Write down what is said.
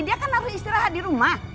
dia kan harus istirahat di rumah